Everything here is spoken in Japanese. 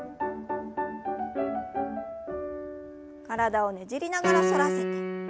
体をねじりながら反らせて。